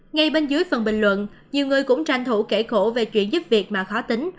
ngay bên dưới phần bình luận nhiều người cũng tranh thủ kể khổ về chuyện giúp việc mà khó tính